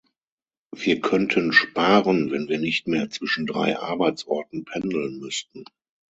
Wir könnten sparen, wenn wir nicht mehr zwischen drei Arbeitsorten pendeln müssten.